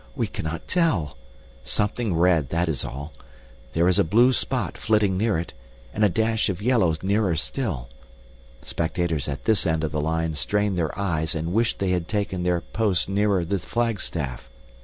We cannot tell. Something red, that is all. There is a blue spot flitting near it, and a dash of yellow nearer still. Spectators at this end of the line strain their eyes and wish they had taken their post nearer the flagstaff.